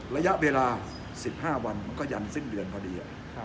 ระยะเวลา๑๕วันก็ยันซึ่งเวลาพอดี